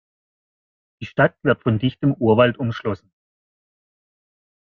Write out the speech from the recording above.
Die Stadt wird von dichtem Urwald umschlossen.